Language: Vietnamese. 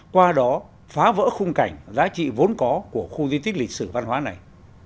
qua đó phá vỡ khung cảnh giá trị vốn có của khu di tích lịch sử văn hóa này